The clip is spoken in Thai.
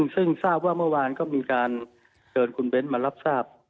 ซึ่งทราบว่าเมื่อวานก็มีการเชิญคุณเบ้นมารับทราบ